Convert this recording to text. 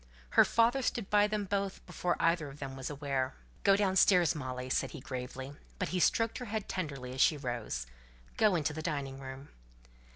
Her father stood by them both before either of them was aware. "Go downstairs, Molly," said he gravely; but he stroked her head tenderly as she rose. "Go into the dining room."